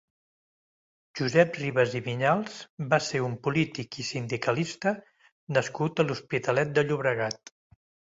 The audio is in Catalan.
Josep Ribas i Vinyals va ser un polític i sindicalista nascut a l'Hospitalet de Llobregat.